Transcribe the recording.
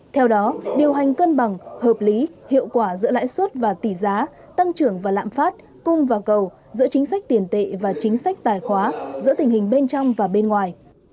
theo đó điều hành cân bằng hợp lý hiệu quả giữa lãi suất và tỷ giá tăng trưởng và lạm phát cung và cầu giữa chính sách tiền tệ và chính sách tài khoá giữa tình hình bên trong và bên ngoài